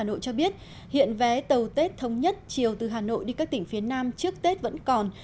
hà nội cho biết hiện vé tàu tết thống nhất chiều từ hà nội đi các tỉnh phía nam trước tết vẫn còn